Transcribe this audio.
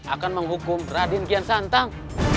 akan menghukum raden kian santang